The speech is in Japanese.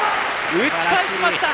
打ち返しました！